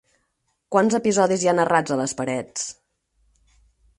Quants episodis hi ha narrats a les parets?